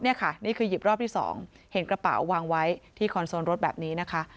นี่ค่ะนี่คือหยิบรอบที่๒เห็นกระเป๋าวางไว้ที่คอนโซลรถแบบนี้นะคะ